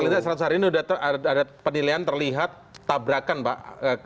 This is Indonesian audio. berarti pak gita seratus hari ini sudah ada penilaian terlihat tabrakan pak